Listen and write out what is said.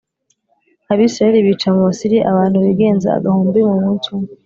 Abisirayeli bica mu Basiriya abantu bigenza agahumbi mu munsi umwe